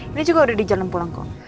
ini juga udah di jalan pulang kok